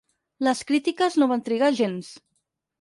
Les crítiques no van trigar gens.